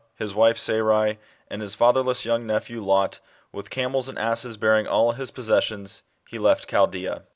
i, his wife Sarai, and his fatherless young nephew Lot, with camels and asses bearing all his possessions, he left Chaldea.